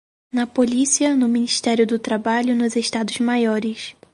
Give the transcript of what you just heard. na Policia, no Ministério do Trabalho, nos Estados Maiores